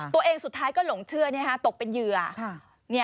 ตัวเองสุดท้ายก็หลงเชื่อตกเป็นเหยื่อ